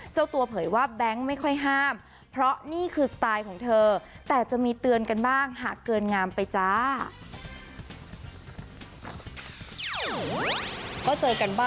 เจ้าตัวเผยว่าแบงค์ไม่ค่อยห้ามเพราะนี่คือสไตล์ของเธอแต่จะมีเตือนกันบ้างหากเกินงามไปจ้า